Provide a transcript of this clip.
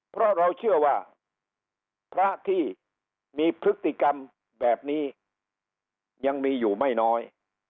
เพราะเราเชื่อว่าพระที่มีพฤติกรรมแบบนี้ยังมีอยู่ไม่น้อย